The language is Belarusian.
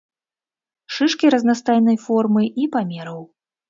Шышкі разнастайнай формы і памераў.